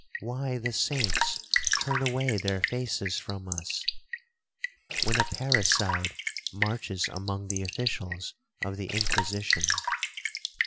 —why the saints turn away their faces from us?—when a parricide marches among the officials of the Inquisition.